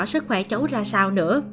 sức khỏe cháu ra sao nữa